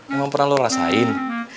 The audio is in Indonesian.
emang pernah lu rasain